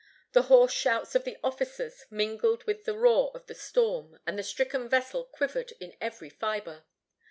The hoarse shouts of the officers mingled with the roar of the storm, and the stricken vessel quivered in every fibre.